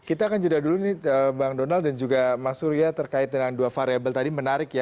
kita akan jeda dulu nih bang donald dan juga mas surya terkait dengan dua variable tadi menarik ya